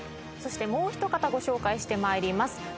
そしてもう一方ご紹介してまいります。